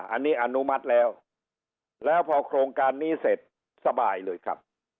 อันนี้อนุมัติแล้วแล้วพอโครงการนี้เสร็จสบายเลยครับ